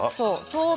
そう。